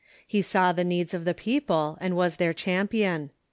He saw the needs of the people, and was their champion.